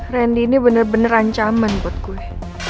rendi ini bener bener ancaman buat gue